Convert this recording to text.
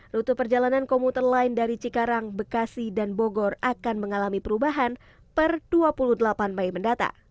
rute perjalanan komuter lain dari cikarang bekasi dan bogor akan mengalami perubahan per dua puluh delapan mei mendatang